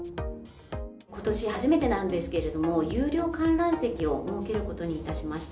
ことし初めてなんですけれども、有料観覧席を設けることにいたしました。